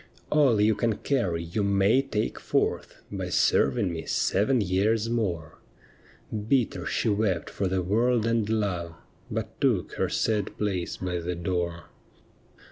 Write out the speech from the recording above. ' All you can carry you may take forth By serving me seven years more.' Bitter she wept for the world and love. But took her sad place by the door.